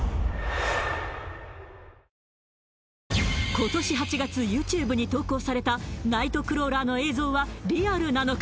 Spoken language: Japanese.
今年８月ＹｏｕＴｕｂｅに投稿されたナイトクローラーの映像はリアルなのか？